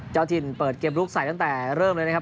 เจ้าถิ่นเปิดเกมลุกใส่ตั้งแต่เริ่มเลยนะครับ